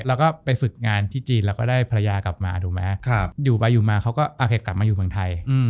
แล้วก็ไปฝึกงานที่จีนแล้วก็ได้ภรรยากลับมาถูกไหมอยู่ไปอยู่มาเขาก็โอเคกลับมาอยู่เมืองไทย